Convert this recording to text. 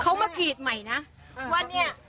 เขามาขีกใหม่นะว่าเนี่ย